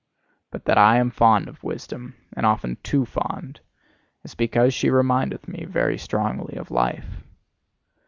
But that I am fond of Wisdom, and often too fond, is because she remindeth me very strongly of Life!